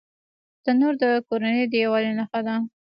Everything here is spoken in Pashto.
تنور د کورنۍ د یووالي نښه ده